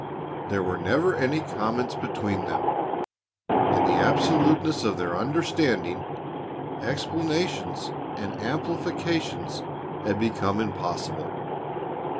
There were never any comments between them. In the absoluteness of their understanding, explanations and amplifications had become impossible.